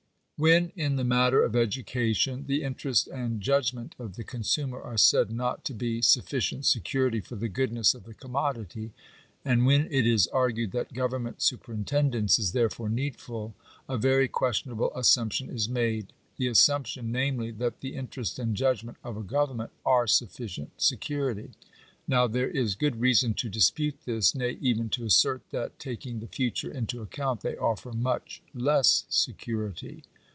When in the matter of education " the interest and judg ment of the consumer" are said not to be " sufficient security for the goodness of the commodity," and when it is argued that government superintendence is therefore needful, a very questionable assumption is made : the assumption, namely, that "the interest and judgment" of a government are sufficient security. Now there is good reason to dispute this, nay, even to assert that, taking the future into account, they offer much less security.